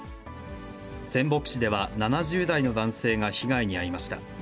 仙北市では７０代の男性が被害に遭いました。